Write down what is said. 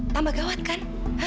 tambah gawat kan